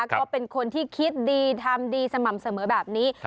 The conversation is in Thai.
ก็เป็นคนที่คิดดีทำดีสม่ำเสมอแบบนี้